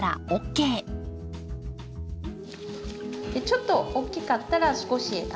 ちょっと大きかったら少し。